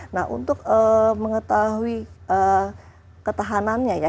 nah untuk mengetahui ketahanannya ya